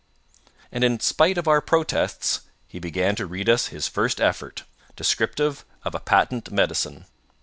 And in spite of our protests, he began to read us his first effort, descriptive of a patent medicine.